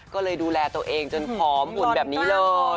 ก็เลยดูแลตัวเองจนผอมหุ่นแบบนี้เลย